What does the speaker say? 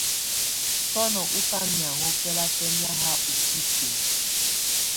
Sɔnɔ́ ɔká mɛaŋɔ́ bɛlabɛ́nɛ́ ha u kisín.